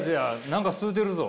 何か吸うてるぞ！